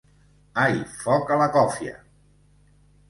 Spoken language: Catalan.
Ai, foc a la còfia!